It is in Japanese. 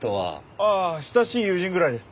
ああ親しい友人ぐらいです。